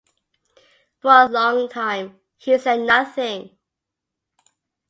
For a long time he said nothing.